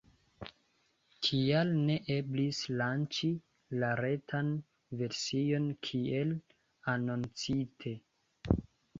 Kial ne eblis lanĉi la retan version kiel anoncite?